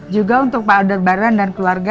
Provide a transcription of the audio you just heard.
juga untuk pak alderbaran dan keluarga